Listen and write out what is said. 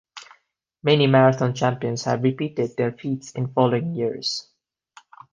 Many marathon champions have repeated their feats in following years.